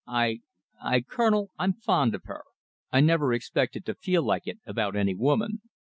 I I Colonel, I'm fond of her. I never expected to feel like it about any woman."